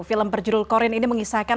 film berjudul korin ini mengisahkan